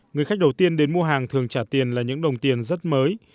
người khách đầu tiên đến mua hàng thường trả tiền là những đồng tiền rất mới